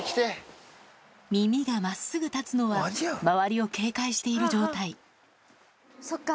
耳がまっすぐ立つのは、周りを警戒している状態。